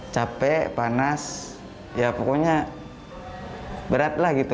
capek panas ya pokoknya berat lah gitu